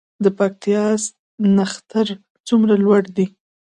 د پکتیا نښتر څومره لوړ دي؟